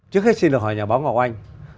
trước hết xin được hỏi nhà báo ngọc anh